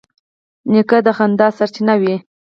نیکه د خندا سرچینه وي.